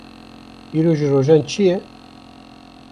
Îro ji rojan çi ye?